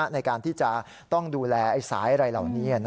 ในการที่จะต้องดูแลสายอะไรเหล่านี้